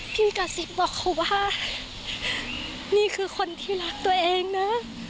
กระซิบบอกเขาว่านี่คือคนที่รักตัวเองนะ